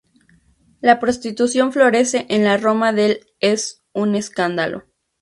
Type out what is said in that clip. La prostitución florece en la Roma del es un escándalo.